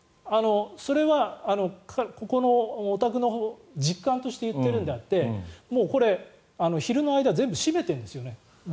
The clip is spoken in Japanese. それはここのお宅の実感として言っているのであってこれ、昼の間全部閉めてるんですよね。